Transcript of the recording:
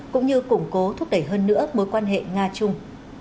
cũng như củng cố thúc đẩy hơn nữa mối quan hệ nga chung